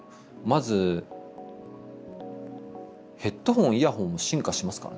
まずヘッドホンイヤホンも進化しますからね。